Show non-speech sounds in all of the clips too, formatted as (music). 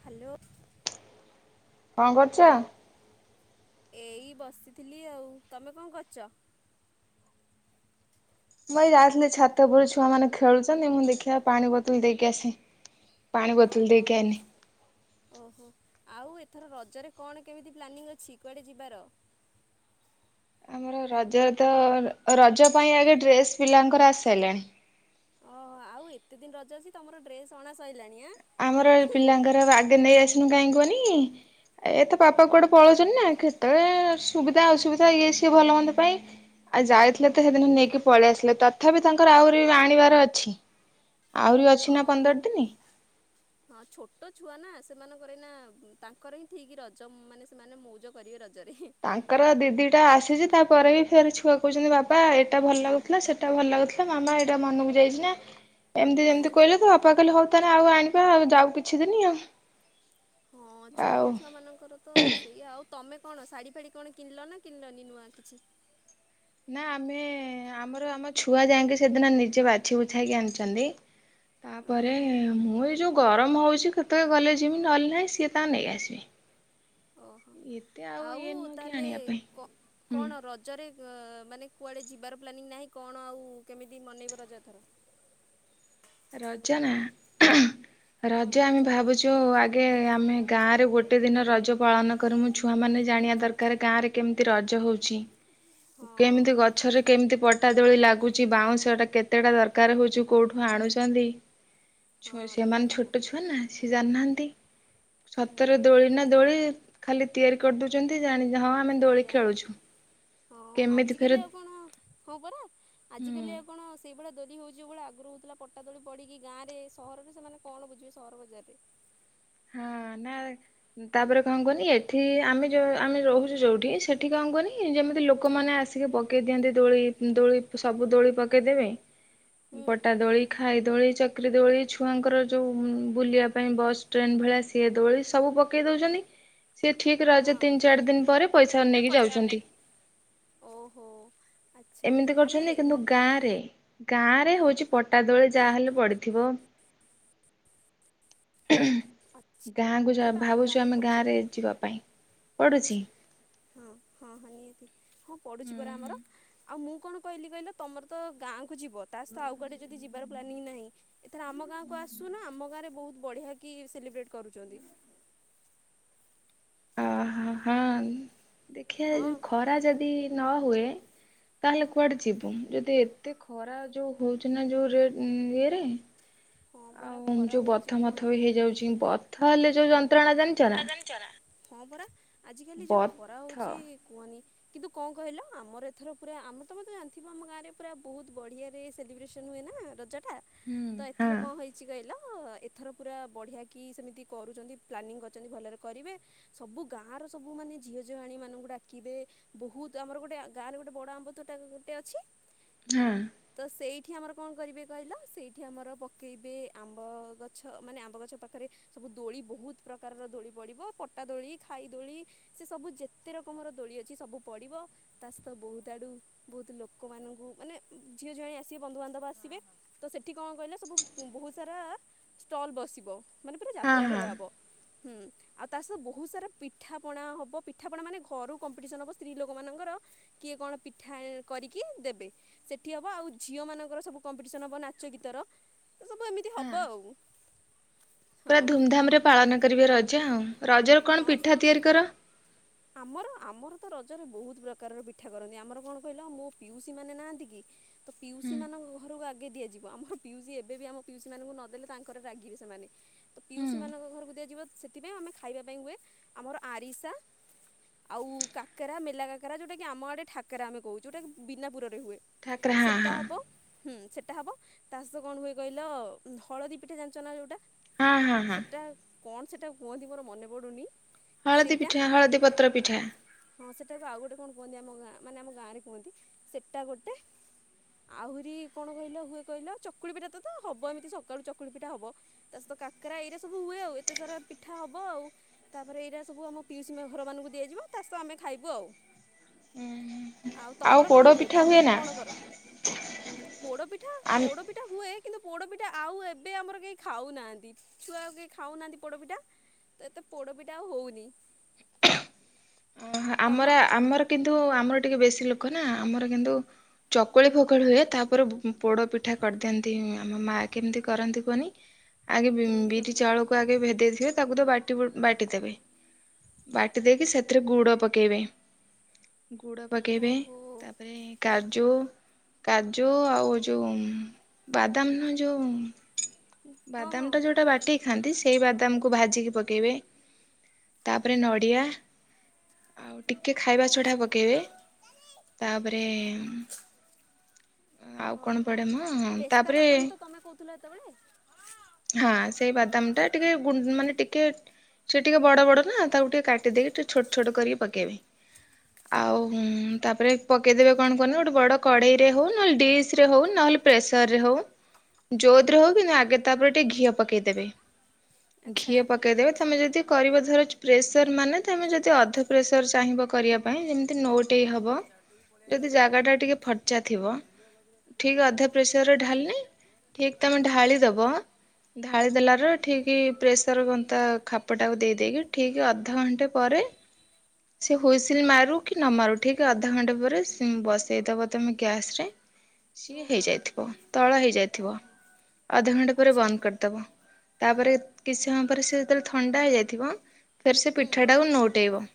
Hello. କଣ କରୁଛ? Hello. ଏଇ ବସିଥିଲି ଆଉ ତମେ କଣ କରୁଛ? ମୁଁ ଏଇ ଯାଇଥିଲି ଛାତ ଉପୁରକୁ ଛୁଆ ମାନେ ଖେଳୁଛନ୍ତି ମୁଁ ଦେଖିବା ପାଣି ବୋତଲ ଦେଇକି ଆସେ। ପାଣି ବତୋଲ ଓହୋ। ଦେଇକି ଆଇଲି। ଓହୋ ଆଉ ଏଥର ରଜରେ କଣ କେମିତି ପ୍ଲାନିଂ ଅଛି କୁଆଡେ ଯିବାର? ଆମର ରଜରେ ତ ରଜ ପାଇଁ ଆଗେ ଡ୍ରେସ ପିଲାଙ୍କର ଆସି ସାଇଲାଣି। ଓହୋ ଆଉ ଏତେ ଦିନ ରଜ ଅଛି ତମର ଡ୍ରେସ ଅଣା ସଇଲାଣି ଆଁ ଆମର ପିଲାଙ୍କର ଆଗେ ନେଇ ଆସିନୁ କାହିଁକି କୁହନି ଏତା ପାପା କୁଆଡେ ପଳଉଛନ୍ତି ନା ହଁ କେତେଳେ ସୁବିଧା ଅସୁବିଧା ଇଏ ସିଏ ଭଲ ମନ୍ଦ ପାଇଁ ଆଉ ଯାଇଥିଲେ ତ ସେଦିନ ନେଇକି ପଳେଇ ଆସିଲେ ତଥାପି ତାଙ୍କର ଆହୁରି ଆଣିବାର ଅଛି। ଆହୁରି ହଁ ଅଛି ନା ଆ ପନ୍ଦର ଦିନି। ହଁ ଛୋଟ ଛୁଆ ନା ସେମାନଙ୍କର ଏଇନା ତାଙ୍କର ହିଁ ଠିକ ରଜ ମାନେ ସେମାନେ ମଉଜ କରିବେ ରଜ ତାଙ୍କର ଦିଦି ଟା ଆସିଛି ତାପରେ ବି ଫେର୍ ଛୁଆ କହୁଛନ୍ତି ବାବା ଏଇଟା ଭଲ ଲାଗୁଥିଲା ସେଟା ଭଲ ଲାଗୁଥିଲା ମାମା ଏଇଟା ମନକୁ ଯାଇଛି ନା। ଏମିତି ଯେମିତିକହିଲେ ତ ବାପାଲେ ହଉ ତାହେ ଆଉ ଆଣିବା ଆଉ ଯାଉ କିଛି ଦିନି ଆଉ। ହଁ ଆଉ ଛୋଟ ଛୁଆ ମାନଙ୍କର ତ ସେଇଆ ଆଉ ତମେ କଣ ଶାଢୀ ଫାଢୀ କଣ କିଣିଲ ନା କିଣିଲନି ନୂଆ କିଛି ନା ଆମେ ଆମର ଆମ ଛୁଆ ଯାଇକି ସେଦିନ ନିଜେ ବାଛି ବୁଛାଇକି ଆଣିଛନ୍ତି। ତାପରେ ଓହୋ ମୁଁ ଏଇ ଯୋଉ ଗରମ ହଉଛି କେତେବେଳେ ଗଲେ ଯିମି ନହେଲେ ନାହିଁ ସିଏ ତାଙ୍କରନେଇ ଆସିବେ। ଓହୋ ଏତେ ଆଉ ଇଏ ନୁହଁ କି ତାହେଲେ ଆଣିବା ପାଇଁ କଣ ରଜରେ ମାନେ କୁଆଡେ ଯିବାର ପ୍ଲାନିଂ ନାହିଁ କଣ ଆଉ କେମିତି ମନେଇବ ରଜ ଏଥର। ରାଜ ନା ରଜ ଆମେ ଭାବୁଛୁ ଆଗେ ଆମେ ଗାଁରେ ଗୋଟେ ଦିନ ରଜ ପାଳନ କରିମୁ ଛୁଆ ମାନେ ଜାଣିବା ଦରକାର ଗାଁ ରେ କେମିତି ରଜ ହଉଛି ହଁ କେମିତି ଗଛରେ କେମିତି ପଟା ଦୋଳି ଲାଗୁଛି ବାଉଁଶ ଟା କେତେଟା ଦରକାର ହଉଚ କୋଉଠୁ ଆଣୁଛ ଚନ୍ତିି। ହଁ ଠିକ୍ ସେମାନେ କଥା ଛୋଟ ଛୁଆ ନା ସେ ଜାଣିନାହାନ୍ତି। ନ୍ତି। ହୁଁ ସତରେ ଦୋଳି ନା ଦୋଳି ଖାଲି ତିଆରି କରିଦୋଉଚନ୍ତି ଜାଣି ହଁ ଆମେ ଦୋଳି ସେଇଆ ଖେଳୁଛୁ। ହଁ କେମିତି ଫେରେ ଆଜିକାଲି ଆଉ କଣ ହଁ ପରା ଆଜିକାଲି ହୁଁ ଆଉ କଣ ସେଇଭଳିଆ ଦୋଳି ହୋଉଚି ଯୋଉ ଭଳିଆ ଆଗୁରୁ ହୋଉଥୁଲା ପଟା ଦୋଳି ପଡିକି ଗାଁରେ ସହରରେ ସେମାନେ କଣ ବୁଝିବେ ସହର ବଜାରରେ। ହଁ ନାଁ ତାପରେ କଁ କୁହନି ଏଠି ଆମେ ଯୋଉ ଆମେ ରହୁଚୁ ଯୋଉଠି ସେଠି କଁ କୁହନି ଯେମିତି ଲୋକମାନେ ଆସିକି ପକେଇ ଦିଅନ୍ତି ଦୋଳି ଉଁ ଦୋଳି ସବୁ ଦୋଳି ପକେଇଦେବେ ହୁଁ ପଟା ଦୋଳି ଖା ଖାଇ ଦୋଳି ଚକ୍ରୀ ଦୋଳି ଛୁଆଙ୍କର ଯୋଉ ବୁଲିବା ପାଇଁ ବସ୍ ଟ୍ରେନ ଭଳିଆ ସିଏ ଦୋଳି ସବୁ ପକେଇ ଦୋଉଚନ୍ତି ସିଏ ଠିକ ରଜ ହଁ ତିନି ଚାରି ଦିନ ପରେ ପଇସା ନେଇକି ଯାଉଛନ୍ତି। ଓହୋ। ଆଚ୍ଛା ଏମିତି ଆରେ କରୁଛନ୍ତି କିନ୍ତୁ ମୁଁ- ଗାଁରେ ଗାଁରେ ହୋଉଚି ପଟା ଦୋଳି ଯାହା ହେଲେ ପଡ଼ିଥିବ। ଆଚ୍ଛା ଗାଁକୁ ଯା ଆରେ ତ ଆମ ଭାବୁଚୁ ହିଁ ଆମେ ପଡ଼ୁଛି ଗାଁରେ ଯିବା ପାଇଁ। ପଡ଼ୁଛି ଆଚ୍ଛା ହଁ ହଁ ହଁ ନିହାତି। ପଡ଼ୁଚି ହୁଁ ପରା ହୁଁ ଆମର ଆଉ ମୁଁ କଣ କହିଲି କହିଲ ତମର ତ ଗାଁ ଯିବ ତା ସହିତ ଆଉ କୁଆଡ଼େ ଯଦି ଯିବାର ପ୍ଲାନିଂ ନାହିଁ ଏଥର ଆମ ଗାଁକୁ ଆସୁନ ଆମ ଗାଁରେ ବୋହୁତ ବଢ଼ିଆକି ସେଲିବ୍ରେଟ କରୁଚନ୍ତି। ଅ ହ ହଁ। ଦେଖିଆ ଏ ହଁ ଯୋଉ ଖରା ଯଦି ନ ହୁଏ ତାହେଲେ କୁଆଡ଼େ ଯିବୁ ଯଦି ଏତେ ଖରା ଯୋଉ ହୋଉଚି ନାଁ ଯୋଉ ରେ ଉଁ ଇଏରେ ହଁ ପରା ଆଉ ଖରା ଯୋଉ ହେଉଛି ବଥ କୁହନି ମଥ ବି ହେଇଯାଉଚି ବଥା ହେଲେ ଯୋଉ ଜ ତ୍ରଣା ଜାଣିଚ ନାଁ? ହଁ ପରା ଆଜିକାଲି ଯୋଉ ଖରା ହୋଉଚି କୁହନି କିନ୍ତୁ କଁ କହିଲ ଆମର ଏଥର ପୁରା ଆମ ତମେ ତ ଜାଣିଥିବ ଆମ ଗାଁରେ ପୁରା ବୋହୁତ ବଢିଆରେ ସେଲିବ୍ରେସନ ହୁଏ ନାଁ ରଜ ଟା ହୁଁ ତ ହଁ ଏଥର କଣ ହେଇଚି କହିଲ ଅ ଏଥର ପୁରା ବଢ଼ିଆ କି ସେମିତି କରୁଚନ୍ତି ପ୍ଲାନିଂ କ ଚନ୍ତି ଭଲରେ କରିବେ ସବୁ ଗାଁର ସବୁ ମାନେ ଝିଅ ଝିଆଣୀମାନଙ୍କୁ ଡାକିବେ ବୋହୁତ ଆମର ଗୋଟେ ଗାଁରେ ଗୋଟେ ବଡ଼ ଆମ୍ବ ତୋଟା ଗୋଟେ ଅଛି ହଁ ତ ସେଇ ଏଠି ଆମର କଣ କରିବେ କହିଲ ସେଇଠି ଆମର ପକେଇବେ ଆମ୍ବ ଗଛ ମାନେ ଆମ୍ବ ଗଛ ପାଖରେ ସବୁ ଦୋଳି ବୋହୁତ ପ୍ର ପ୍ରକାରର ଦୋଳି ପଡ଼ିବ ପଟା ଦୋଳି ଖାଇ ଦୋଳି ସେ ସବୁ ଯେତେ ରକମର ଦୋଳି ଅଛି ସବୁ ପଡ଼ିବ ତା ସହିତ ବୋହୁତ ଆଡ଼ୁ ବୋହୁତ ଲୋକମାନଙ୍କୁ ମାନେ ଝିଅ ଝିଆଣୀ ଆସିବେ ବନ୍ଧୁବାନ୍ଧବ ଆସିବେ ତ ସେଠି କଣ କହିଲ ସବୁ ବୋହୁତ ସାରା ଷ୍ଟଲ ବସିବ। ମାନେ ପୁରା ହଁ ଯାତ୍ରା ହଁ ଭଳିଆ ହବ। ହୁଁ ଆଉ ତା ସହିତ ବୋହୁତ ସାରା ପିଠାପଣା ହବ। ପିଠାପଣା ମାନେ ଘରୁ କମ୍ପିଟିସନ ହବ ସ୍ତ୍ରୀ ଲୋକମାନଙ୍କର କିଏ କଣ ପିଠା କରିକି ଦେବେ ସେଠି ହବ ଆଉ ଝିଅମାନଙ୍କର ସବୁ କମ୍ପିଟିସନ ହବ ନାଚ ଗୀତର। ତ ସବୁ ଏମିତି ହଁ ହବ ଆଉ ପୁରା ହଁ ଧୁମଧାମ ରେ ପାଳନ କରିବି ରଜ ଯା ହଉ। ରଜର କଣ ହଁ ପିଠା ତିଆରି କର? ଆମର ଆମର ତ ରଜରେ ବହୁତ ପ୍ରକାରର ପିଠା କରନ୍ତି ଆମର କଣ କହିଲ ମୋ ପିଉସୀ ମାନେ ନାହାନ୍ତି କି ହୁଁ ପିଉସୀ ମାନଙ୍କ ଘରକୁ ଆଗେ ଦିଆ ଯି ଆମର ପିଉସି ଏବେ ବି ଆମ ପିଉସି ମାନଙ୍କୁ ନ ଦେଲେ ତାଙ୍କରେ ରାଗିବେ ସେମାନେ। ତ ହୁଁ ପିଉସୀ ମାନଙ୍କ ଘରକୁ ଦିଆଯିବ ସେଥିପାଇଁ ସେଥିପାଇଁ ଆମେ ଖାଇବା ପାଇଁ ହୁଏ ଆମର ଆରିସା ଆଉ କାକରା ମେଲା କାକରା ଯୋଉଟା କି ଆମ ଆଡେ ଠାକେରା ଆମେ କହୁ ଯୋଉଟ ବିନା ପୁର ହୁଏ ଠାକରା ହଁ ସେଟା ହଁ ହବ ସେଇଟା ହବ ତା ସହିତ କଣ ହୁଏ କହିଲ ହଳଦୀ ପିଠା ଜାଣିଚନା ଯୋଉଟା ହଁ ହଁ ହଁ। କଣ ସେଇଟା କୁହନ୍ତି ମୋର ମନେ ପଡୁନି ହଳଦୀ ପିଠା ହଳଦୀ ପତ୍ର ପିଠା ହଁ ସେଟାକୁ ଆଉ ଗୋଟେ କଣ କୁହନ୍ତି ଆମ ଗାଁ ମାନେ ଆମ ଗାଁରେ କୁହନ୍ତି ସେଟା ଗୋଟେ ଆହୁରି କଣ କହିଲ ହୁଏ କହିଲ ଚକୁଳି ପିଠା ତ ତ ହବ ଏମିତି ସକାଳୁ ଚକୁଳି ପିଠା ହବ ତା ସହିତ କାକରା ଏଇରା ସବୁ ହୁଏ ଆଉ ଏତେ ସାରା ପିଠା ହବ ଆଉ ତାପରେ ଏଇରା ସବୁ ଆମ ପିଉସୀ ହୁଏ ଘର ମାନଙ୍କୁ ଦିଆଯିବ ତା ସହିତ ଆମେ ଖାଇବୁ ଆଉ। ଆଉ ତମର କଣ ପୋଡ ହୁଏ ପିଠା ତମେ ନା କଣ କର ପୋଡ ପିଠା ଆମ ପୋଡ ପିଠା ହୁଏ। କିନ୍ତୁ ପୋଡପିଠା ଆଉ ଏବେ ଆମର କେହି ଖାଉନାହାନ୍ତି ଛୁଆ ଆଉ କେହି ଖାଉନାହାନ୍ତି ପୋଡପିଠା ତ ଏତେ ପୋଡପିଠା ଆଉ ହଉନି। ତମ ଆମର ଆମର କିନ୍ତୁ ଆମର ଟିକେ ବେଶି ଲୋକ ନା ଆମର କିନ୍ତୁ ଚକୁଳି ଫକୁଳି ହୁଏ ତାପରେ ପୋଡ଼ ପିଠା କରିଦିଅନ୍ତି ଆମ ମାଆ କେମିତି କରନ୍ତି କୁହନି ଆଗେ ବି ବି କେମିତି ବିରି କରନ୍ତି କହିଲ? ଚାଉଳକୁ ଆଗେ ଭେଦେଇଥିବେ ତାକୁ ତ ବାଟି ହେଟି ବା ବାଟି ଦେବେ ବାଟି ଦେଇକି ସେଥିରେ ଗୁଡ ପକେଇବେ ଗୁଡ ପକେଇବେ ଓହୋ ତାପରେ କାଜୁ କାଜୁ ଆଉ ଯୋଉ ଉଁ ବାଦାମ ନୁହେ ଯୋଉ ହଁ ବାଦାମ ହଁ ଟା ଯୋଉଟା ବାଟି ଥାନ୍ତି ସେଇ ବାଦାମକୁ ଭାଜିକି ପକେଇବେ ତାପରେ ନଡ଼ିଆ ଆଉ ଟିକେ ଖାଇବା ସୋଢା ଆଚ୍ଛା ପକେଇବେ ତାପରେ ଆଉ କଣ ଓହୋ ପଡେ ମ ପେସ୍ତା ତାପରେ ବାଦାମ ତ ତମେ କହୁଥିଲ ହେତେବେଳେ ହଁ ସେଇ ଦାମ ଟା ଟିକେ ଗୁ ମାନେ ଟିକେ ସେ ଟିକେ ବଡ ବଡ ନା ତାକୁ ଟିକେ କାଟିଦେଇକି ଟିକେ ଛୋଟ ଛୋଟ କରି ତା ପକେଇବେ ଆଉ ତାପରେ ପକେଇଦବେ କଣ କୁହନି ଗୋଟେ ବଡ କଢ଼େଇରେ ହଉ ନହେଲେ ଡିସ ରେ ହଉ ନହେଲେ ପ୍ରେସରରେ ହଉ ଜୋଉଥିରେ ହଉ କିନ୍ତୁ ଆଗେ ତାପରେ ଟିକେ ଘିଅ ପକେଇଦେବେ। ଆଚ୍ଛା ଘିଅ ପକେଇଦେବେ ତମେ ଯଦି କରିବ ଧର ପ୍ରେସର ମାନେ ତମେ ଯଦି ଅଧ ଚାହିଁବ କରିବା ପାଇଁ ଯେମି ଯେନ୍ତି ନଉଟେଇ ହବ ଯଦି ଜାଗାଟା ଟିକେ ଫର୍ଚା ଥିବ ଠିକ ଅଧା ପ୍ରେସର ଢାଲିିଲେ ଠିକ ତମେ ଢାଳିଦବ ଢାଳି ଦେଲାର ଠିକ ପ୍ରେସର କନ୍ତା ଖାପଟାକୁ ଦେଇ ଦେଇେଇକି ଠିକ୍ ଅଧଘ ପରେ ସେ ହୁଇସିଲ ମାରୁ କି ନ ମାରୁ ଠିକ ଅଧା ଘଣ୍ଟା ପରେ ବସେଇଦବ ତମେ ଗ୍ୟାସ ରେ ସିଏ ଓହୋ ହେଇଯାଇଥିବ ତଳ ହେଇଯାଇଥିବ ଓହୋ ଅଧଘଣ୍ଟା ପରେ ଆଚ୍ଛା ବନ୍ଦ କରିଦବ। ତାପରେ କିଛି ସମୟ ପରେ ସେ ଯେତେବେଳେ ଥଣ୍ଡା ହେଇଯାଇଥିବ ଫେର୍ ସେ ହୁଁ ପିଠାଟାକୁ ନଉଟେଇବ।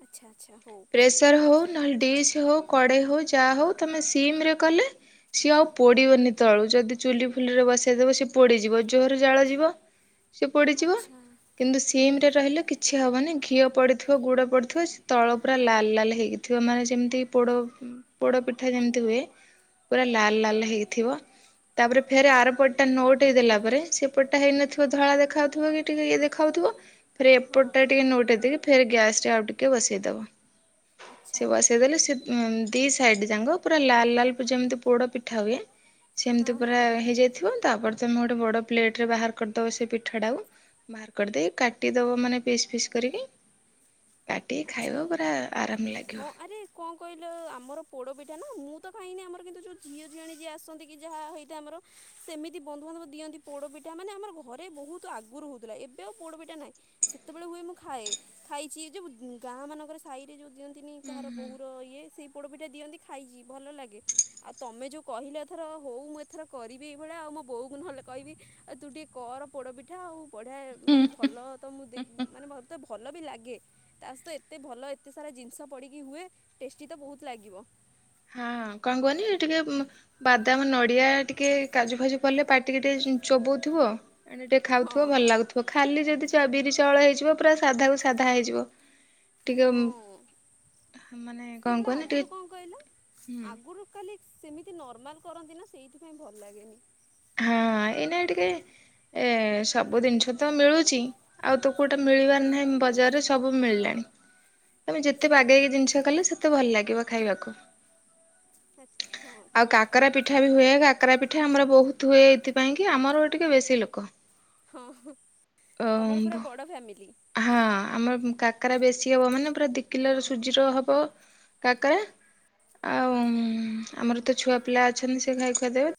ଆଚ୍ଛା ଆଚ୍ଛା ହଉ। ପ୍ରେସର୍ ହଉ ନହେଲେ ଡିସି ହଉ କଡେଇ ହଉ ଯାହା ହଉ ତମେ ସିମ ରେ କଲେ ସିଏ ଆଉ ପୋଡିବନି ତଳୁ ଯଦି ଚୁଲି ଫୁଲିରେ ବସେଇଦବ ସି ପୋଡିଯିବ ଜୋରେ ଜାଳ ଯିବ। ସିଏ ପୋଡିଯିବ ଆଚ୍ଛା କିନ୍ତୁ ହୁଁ ସିମ ରେ ହୁଁ ରହିଲେ କିଛି ହବନି। ଘିଅ ପଡି ଗୁଡ ପଡି ଥିବ ସେ ତଳ ପୁରା ଲାଲ ଲାଲ ହେଇକି ଥିବା ମାନେ ଯେମିତି ପୋଡ ପୋଡ ପିଠା ଯେମିତି ହୁଏ ପୁରା ଲାଲ ଲାଲ ହେଇକି ଥିବ ତାପରେ ଫେରେ ଆର ପରଟା ନୋଉଟେଇ ଦେଲା ପରେ ସେ ପଟଟା ହେଇନଥିବା ଧଳା ଦେଖାଯାଉଥିବ କି ଟିକେ ଇଏ ଦେଖାଯାଉଥିବ। ପରେ ହଁ ଏପଟ ଟା ଟିକେ ନଉଟେଇ ଦେଇକି ଫେର ଗ୍ୟାସରେ ଆଉ ଟିକେ ବସେଇଦବ। ଆଚ୍ଛା ସେ ବସେଇ ଦେଲେ ସେ ଉଁ ଦି ସାଇଡ ଯାଙ୍କ ପୁରା ଲାଲ ଲାଲ ପୁରା ଯେମିତି ପୋଡ ପିଠା ହୁଏ ହଁ ସେମତି ହଁ ପୁରା ହେଇଯାଇଥିବ ତାପରେ ତମେ ଗୋଟେ ବଡ ପ୍ଲେଟ ରେ ବାହାର କରିଦବ ସେ ପିଠା ଟାକୁ ବାହାର କରିଦେଇ କାଟିଦବ ମାନେ ପିସ୍ ପିସ୍ କରିକି। କାଟିି କି ଆଚ୍ଛା ଖାଇବ ପୁରା ଆରାମ ହଁ ଲାଗିବ। ଆରେ କଣ କହିଲ ଆମର ପୋଡ଼ପିଠା ନା ମୁଁ ତ ଖାଇନି ଆମର କିନ୍ତୁ ଯେଉଁ ଝିଅ ଝିଆଣ ଯିଏ ଆସନ୍ତି କି ଯାହା ହେଇଥାଏ ଆମର ସେମିତି ବନ୍ଧୁବାନ୍ଧବ ଦିଅନ୍ତି ପୋଡ଼ପିଠା ମାନେ ଆମର ଘରେ ବହୁତ ଆଗରୁ ହେଉଥିଲା ଏବେ ଆଉ ପୋଡ଼ପିଠା ନାହିଁ ସେତେବେଳେ ହୁଏ ମୁଁ ଖାଏ ଖାଇଛି ଯୋଉ ଗାଁ ମାନଙ୍କରେ ସାଇ ରେ ଯୋଉ ଦିଅନ୍ତି। ତିନି କାହାର ବୋହୁର ଇଏ ସେଇ ପୋଡ଼ପିଠା ଦିଅନ୍ତି ଖାଇଛି ଭଲ ଲାଗେ ଆଉ ତମେ ଯୋଉ କହିଲେ ଏଥର ହଉ ମୁଁ ଏଥର କରିବି ଏଇଭଳିଆ ଆଉ ମୋ ବୋଉକୁ ନହେଲେ କହିବି ତୁ ଟିକେ କର ପୋଡ଼ପିଠା ଆଉ। ବଢ଼ାଏ ମାନେ ଭଲ ତ ମୁଁ ଦେଇି ମାନେ ମୋତେ ଭଲ ଭଲ ବି ଲାଗେ। ତାସହିତ ଏତେ ଭଲ ଏତେ ସାରା ଜିନିଷ ପଡିକି ହୁଏ ଟେଷ୍ଟି ତ ବହୁତ ଲାଗିବ। ହଁ କଣ କୁହନି ଟିକେ ବାଦାମ ନଡିଆ ଟିକେ କାଜୁ ଫାଜୁ ପଡିଲେ ପାଟିକି ଟିକେ ଚୋବଉଥିବ। ଏମିତି ଟିକେ ଖାଉଥିବ ହଁ ଭଲ ଲାଗୁଥିବ ଖାଲି ଯଦି ବିରି ଚାଉଳ ହେଇଯିବ ପୁରା ସାଧା କୁ ସାଧା ହେଇଯିବ। ଟିକେ ହଁ ମାନେ କଣ ସେଗୁଡ଼ା କୁହନ ଆଗରୁ ଟିକେ କଣ କହିଲ ହୁଁ ଆଗରୁ କ ସେମିତି ନର୍ମାଲ କରନ୍ତି ନା ସେଇଥିପାଇଁ ଭଲ ଲାଗେନି। ହଁ ଏଇ ନାଇ ଟିକେ ଏ ସବୁ ଜିନିଷ ତ ମିଳୁଚି ଆଉ ତୁ କୋଉଟା ମିଳିବାର ନାହିଁ ବଜାରରେ ସବୁ ମିଳିଲାଣି। ତମେ ଯେତେ ହୁଁ ବାଗେଇକି ଜିନିଷ କଲେ ସେତେ ଭଲ ଲାଗିବ। ଖାଇବାକୁ। ଆଚ୍ଛା ହଁ ଆଉ ଠିକ୍ କାକରା କଥା ପିଠା ବି ହୁଏ କାକରା ପିଠା ଏଠି ଆମର ବହୁ ହୁଏ ଏଇଥିପାଇଁ କି ଆମର ଟିକେ ବେଶି ଲୋକ। ହଁ ହଁ ଅ ତୋମର ପୁରା ବଡ ଫ୍ୟାମିଲି। ହଁ ଆମର କାକରା ବେଶୀ ହବ ମାନେ ପୁରା ଦି କିଲୋର ସୁଜିର ହବ କାକରା ଆଉ ଉଁ ଆମର ତ ଛୁଆ ପିଲା ଅଛନ୍ତି ସେ ଖାଇ ଖୁଆ ଦେବେ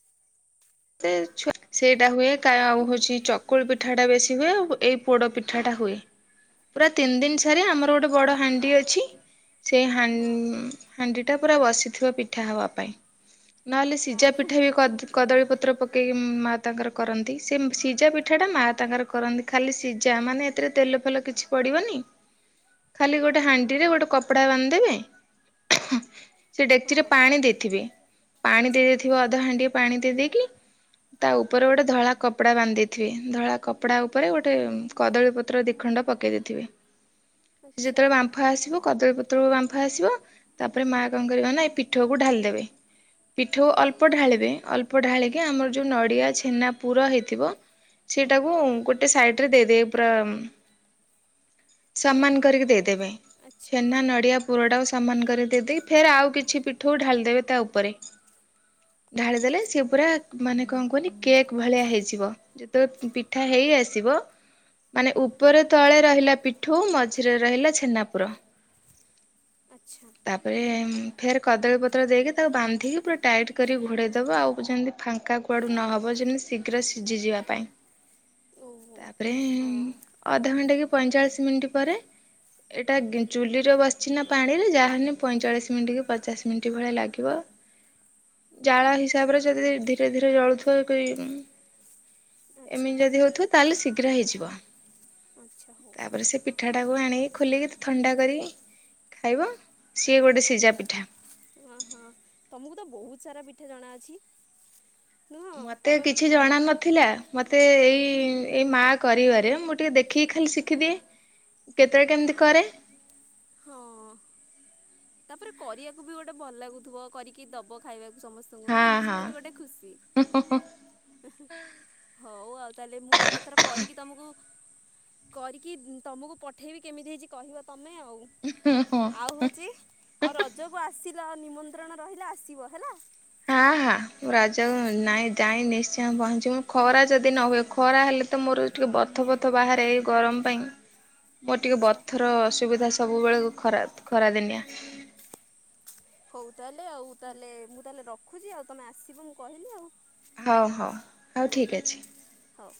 ଯେ ଛୁଆ ସେଇଟା ହୁଏ କାୟ ଆଉ ହଁ ହଉଛି ଚକୁଳି ପିଠା ସେଟା ବେଶୀ ହୁଏ ଆଉ ଏଇ ପୋଡ ପିଠାଟା ହୁଏ ପୁରା ତିନି ଦିନ ଠାରେ ଆମର ହଁ ଗୋଟେ ବଡ ହାଣ୍ଡି ଅ ଛି ସେ ହାନ ହଁ ହାଣ୍ଡିଟା ପୁରା ବସିଥିବ ପିଠା ହବା ପାଇଁ। ନହେଲେ ସିଝା ହଁ ପିଠା ବି କଦ୍ କଦଳୀ ପତ୍ ପକେଇକି ମା ତାଙ୍କର କରନ୍ତି, ସେ ସିଜା ପିଠା ଟା ମା ତାଙ୍କର କରନ୍ତି, ଖାଲି ସିଜା ମାନେ ଏଥିରେ ତେଲ ଫେଲ କିଛି ପଡିବନି ଖାଲି ଗୋଟେ ହାଣ୍ଡିରେ ଗୋଟେ କପଡା ବାନ୍ଧଦେବେ ସେ ଡେକ୍ଚି ରେ ହଁ ପାଣି ଦେଇଥିବେ, ପାଣି ଦେଇ ଆଚ୍ଛା ଦେଇଥିବ ଅଧା ହାଣ୍ଡିଏ ପାଣି ଦେଇ ଦେଇକି ତା ଉପରେ ଗୋଟେ ଧଳା କପଡ଼ା ବାନ୍ଧିଦେଇଥିବେ ଧଳା କପଡ଼ା ଉପରେ ଗୋଟେ ଉଁ କଦଳୀପତ୍ର ଦିଖଣ୍ଡ ପକେଇ ଦେଇଥିବେ। ସେ ଆଚ୍ଛା ଯେତେବେଳେ ବାମ୍ଫ ଆସିବ କଦଳୀପତ ତ୍ରୁ ବାମ୍ଫ ଆସିବ, ତାପରେ ମା କଣ କରବ ନା ଏ ପିଠୋଉ କୁ ଢାଳି ଦେବେ, ପିଠୋଉ ହଁ ଅଳ୍ପ ଢାଳିବେ ଅଳ୍ପ ଢାଳି ଏ ଆମର ଯୋଉ ନଡିଆ ଛେନା ପୁର ହେଇଥିବ ସେଇଟାକୁ ଉଁ, ଗୋଟେ ସାଇଡ ରେ ଦେଇଦେବେ ପୁରା ଉଁ ମାନେ ସମାନ ଢ କରିକି ଦେଇଦେବେ ଆଚ୍ଛା ଛେନା ନଡ଼ିଆ ପୁରଟାକୁ ସ ସମାନ କରି ଦେଇଦେଇକି ଫେର ଆଉ କିଛି ପିଠୋଉ ଢାଳିଦେବେ ତା ଉପରେ। ଢାଳି ଦେଲେ ଆଚ୍ଛା ସିଏ ପୁରା ନାଇଁ କଣ କୁହନି କେକ୍ ଭଳିଆ ହେଇଯିବ, ଯେତେବେଳେ ପି- ପିଠା ହେଇ ଆସିବ ମାନେ ଉପରେ ତଳେ ରହିଲା ପିଠୋଉ ମଝିରେ ରହିଲା ଛେନାପୁର। ଆଚ୍ଛା ତାପରେ ଉଁ ଫେର୍ କଦଳୀ ପତ୍ର ଦେଇକି ତାକୁ ବାନ୍ଧିକି ପୁରା ଟାଇଟ୍ କରି ଘୋଡ଼େଇଦବ ଆଉ ଯେମିତି ଫାଙ୍କା କୁଆଡ଼ୁ ନହବ ଯେମିତି ଶୀଘ୍ର ସିଝି ଯିବା ପାଇଁ। ଓହୋ ତାପରେ ଉଁ, ହଁ ଅଧଘଣ୍ଟା କି ପଇଁଚାଳିଶ ମିନିଟ୍ ପରେ ଏଟା ଗି-ଚୁଲିରେ ବସିଛି ନା ପାଣିରେ ଯାହାହେନେ ପଇଁଚାଳିଶ ମିନିଟ୍ କି ପଚାଶ ମିନିଟ୍ ଭଳିଆ ଲାଗିବ ଜାଳ ହିସାବରେ ଯଦି ଧି ଧୀରେ ଧୀରେ ଜଳୁଥିବ କଇ ଉଁ ଆଚ୍ଛା ଏମିତି ଯଦି ହଉଥିବ ତାହେଲେ ଶୀଘ୍ର ହେଇଯିବ। ଆଚ୍ଛା ହଉ ତାପରେ ସେ ପିଠା ଟାକୁ ଆଣିକି ଖୋଲିକି ଥଣ୍ଡା କରିକି ଖାଇବ ସିଏ ଗୋଟେ ସିଜା ପିଠା। ହଁ, ହଁ ତୋମକୁ ତ ବହୁତ ସାରା ପିଠା ଜଣା ଅଛି। ମୋତେ କିଛି ଜଣା ନଥିଲା ମୋତେ ଏଇ ହଁ ଏଇ ମା କରିବାରେ ମୁଁ ଟିକେ ଦେଖିକି ଖାଲି ଶିଖିଦିଏ, କେତେବେଳେ କେମତି କରେ। ହଁ ତାପରେ କରିବାକୁ ବି ଗୋଟେ ଭଲ ଲାଗୁଥୁବ କରିକି ଦବ ଖାଇବା ସମସ୍ତଙ୍କୁ ହଁ ନା କି ହଁ। ସେଟା ବି ଗୋଟେ ଖୁସି ହଉ ଆଉ। ତାହେଲେ ମୁଁ ତାହେଲେ ଏଥର କରିକି ତୋମକୁ କରିକି ତୋମକୁ ପଠେଇବି, କେମିତି ହେଇଚି, କହିବ ତୋମେ ଆଉ। ଆଉ ହଉଚି ଆଉ ରଜକୁ ଆସିି (unintelligible) ନିମନ୍ତ୍ରଣ ରହିଲେ ଆସିବ ହେଲା। ହଁ, ହଁ, ମୁଁ ହଉ ରଜକୁ ନାଇଁ ଯାଇ ନିଶ୍ଚି ତ ପହଞ୍ଚିବ ଖରା ଯଦି ନ ହୁଏ, ଖରା ହେଲେ ତ ମୋର ଏ ଟିକେ ବଥ ଫଥ ବାହାରେ ଏଇ ଗରମ ପାଇଁ। ମୋର ଟିକେ ଆଚ୍ଛା ବଥର ଅସୁବିଧା ସ ସବୁବେଳକୁ ଖରା ଖରାଦିନିଆ। ହଉ ତାହେଲେ ଆଉ ତାହେଲେ ମୁଁ ତାହେଲେ ରଖୁଚି, ଆଉ ତୋମେ ଆସିବ ମୁଁ କହିଲି ଆଉ। ହଉ ହଉ ହଉ ଠିକ୍ ଅଛି। ହଉ।